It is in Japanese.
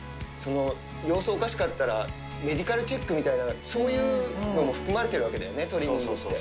様子おかしかったら、メディカルチェックみたいな、そういうのも含まれてるわけだよね、トリミングって。